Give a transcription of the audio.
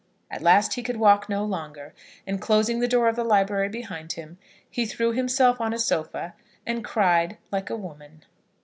At last he could walk no longer, and, closing the door of the library behind him, he threw himself on a sofa and cried like a woman.